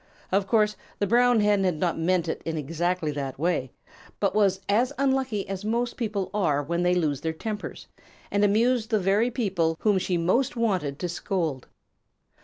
Of course the Brown Hen had not meant it in exactly that way, but was as unlucky as most people are when they lose their tempers, and amused the very people whom she most wanted to scold.